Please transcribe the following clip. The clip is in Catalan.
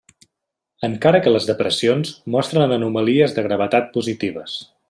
Encara que les depressions, mostren anomalies de gravetat positives.